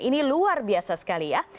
ini luar biasa sekali ya